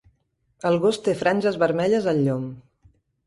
El gos té franges vermelles al llom.